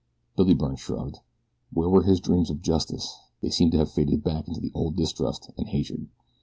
Billy Byrne shrugged. Where were his dreams of justice? They seemed to have faded back into the old distrust and hatred.